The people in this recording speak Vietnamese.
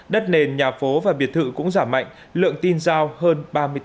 đất nền nhà phố và biệt thự cũng giảm mạnh lượng tin giao hơn ba mươi bốn